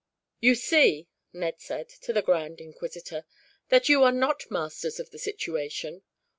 "You see," Ned said to the grand inquisitor, "that you are not masters of the situation.